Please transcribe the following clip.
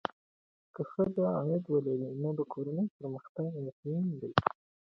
که ښځه عاید ولري، نو د کورنۍ پرمختګ یقیني دی.